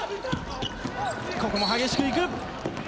ここも激しく行く！